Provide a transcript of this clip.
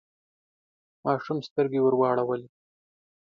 ماشوم سترګې ورواړولې.